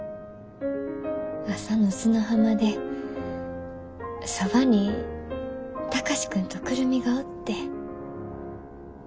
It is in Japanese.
朝の砂浜でそばに貴司君と久留美がおって。